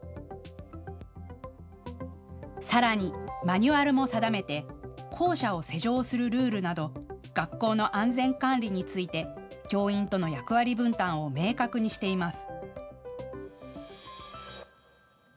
さらにマニュアルも定めて校舎を施錠するルールなど学校の安全管理について教員との役割分担を明確にしています。